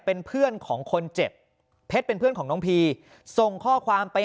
เป็นเพื่อนของคนเจ็บเพชรเป็นเพื่อนของน้องพีส่งข้อความไป